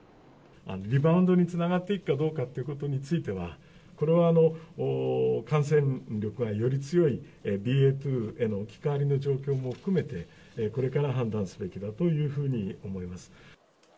リバウンドにつながっていくかどうかということについては、これは感染力がより強いＢＡ．２への置き換わりの状況も含めて、これから判断すべきだというふうに思います。